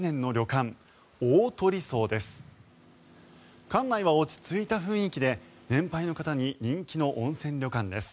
館内は落ち着いた雰囲気で年配の方に人気の温泉旅館です。